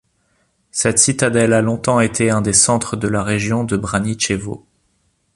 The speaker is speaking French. Cette citadelle a longtemps été un des centres de la région de Braničevo.